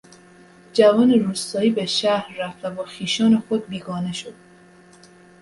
جوان روستایی به شهر رفت و با خویشان خود بیگانه شد.